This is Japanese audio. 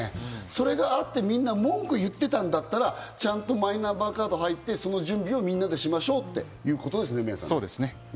それがあって、みんな文句言ってたんだったらちゃんとマイナンバーカードに入ってその準備をみんなでしましょうっていうことですね。